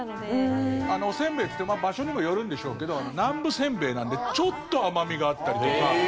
おせんべいといっても場所にもよるんでしょうけど南部せんべいなんでちょっと甘みがあったりとか。